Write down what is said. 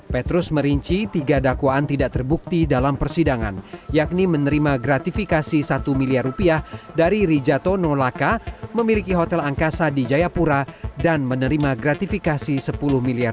petrus merinci tiga dakwaan tidak terbukti dalam persidangan yakni menerima gratifikasi satu miliar rupiah dari rijato nolaka memiliki hotel angkasa di jayapura dan menerima gratifikasi sepuluh miliar